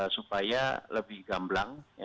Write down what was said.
supaya lebih gamblang